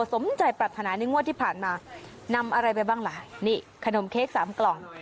สมใจปรัฐนาในงวดที่ผ่านมานำอะไรไปบ้างล่ะนี่ขนมเค้กสามกล่อง